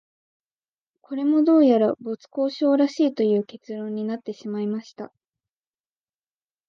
これも、どうやら没交渉らしいという結論になってしまいました